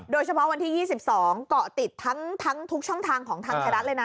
โดยเฉพาะวันที่ยี่สิบสองเกาะติดทั้งทั้งทุกช่องทางของทางไทยรัฐเลยน่ะ